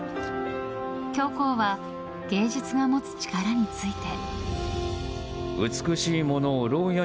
教皇は、芸術が持つ力について。